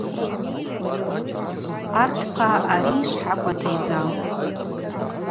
Къвартпа ари швхӏакӏвата йзалтӏ.